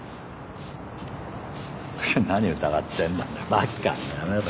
何疑ってんだよ